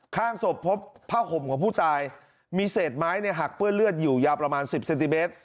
ข้างศพพบผ้าห่มของผู้ตายมีเศษไม้เนี่ยหักเปื้อนเลือดอยู่ยาวประมาณ๑๐เซนติเมตร